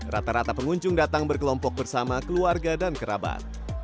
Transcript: rata rata pengunjung datang berkelompok bersama keluarga dan kerabat